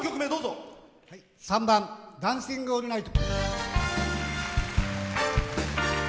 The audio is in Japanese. ３番「ダンシング・オールナイト」。